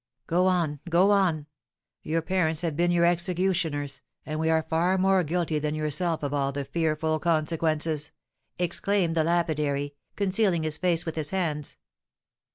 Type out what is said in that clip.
"Go on, go on; your parents have been your executioners, and we are far more guilty than yourself of all the fearful consequences!" exclaimed the lapidary, concealing his face with his hands.